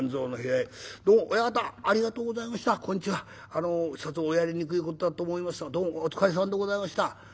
あのさぞおやりにくい事だと思いましたがどうもお疲れさまでございました」。